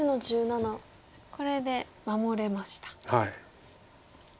これで守れました。